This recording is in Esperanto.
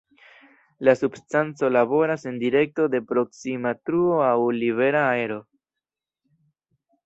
La substanco laboras en direkto de proksima truo aŭ "libera aero".